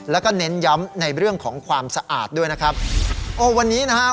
แล้วก็เน้นย้ำในเรื่องของความสะอาดด้วยนะครับโอ้วันนี้นะครับ